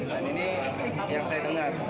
dan ini yang saya dengar